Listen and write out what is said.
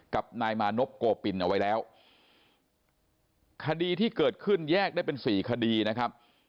กับนายมานพโกปินเอาไว้แล้วคดีที่เกิดขึ้นแยกได้เป็นสี่คดีนะครับ